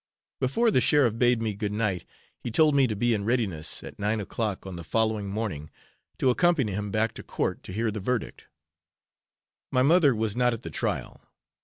Before the sheriff bade me good night he told me to be in readiness at nine o'clock on the following morning to accompany him back to court to hear the verdict. My mother was not at the trial.